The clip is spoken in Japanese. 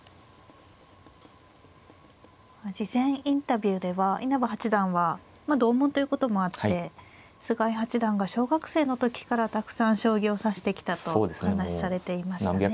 事前インタビューでは稲葉八段は同門ということもあって菅井八段が小学生の時からたくさん将棋を指してきたとお話しされていましたね。